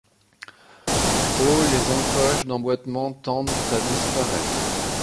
Au les encoches d'emboitement tendent à disparaitre.